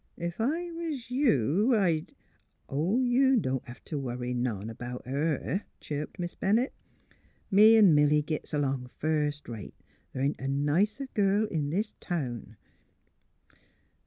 Ef I was you, I 'd ''^' You don't hev t' worry none about her,'* chirped Miss Bennett. "Me 'n' Milly gits along first rate. Th' ain't a nicer girl in this town."